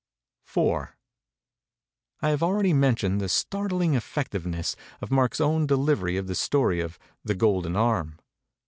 IV I HAVE already mentioned the startling effec tiveness of Mark's own delivery of the story of the 'Golden Arm.'